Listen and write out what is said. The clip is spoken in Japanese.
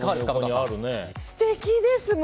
素敵です。